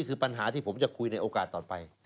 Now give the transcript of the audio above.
คือปัญหาที่ผมจะคุยในโอกาสต่อไป